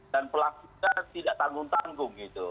dan pelaku kita tidak tanggung tanggung gitu